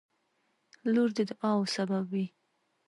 • لور د دعاوو سبب وي.